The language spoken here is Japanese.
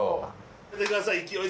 やめてください。勢い。